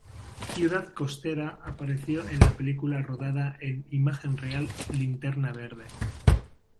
Ciudad Costera apareció en la película rodada en imagen real "Linterna Verde".